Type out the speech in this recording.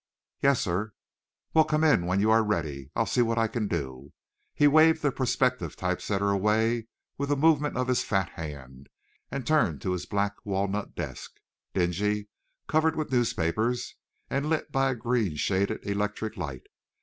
"Yes, sir." "Well, come in when you are ready. I'll see what I can do." He waved the prospective type setter away with a movement of his fat hand, and turned to his black walnut desk, dingy, covered with newspapers, and lit by a green shaded electric light.